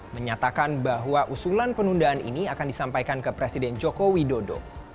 menyatakan bahwa usulan penundaan ini akan disampaikan ke presiden joko widodo